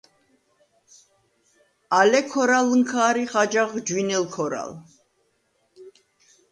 ალე ქორალჷნქა არიხ აჯაღ ჯვინელ ქორალ.